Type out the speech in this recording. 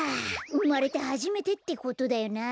うまれてはじめてってことだよなあ。